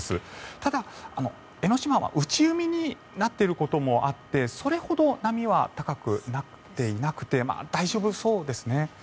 ただ、江の島は内海になっていることもあってそれほど波は高くなっていなくて大丈夫そうですね。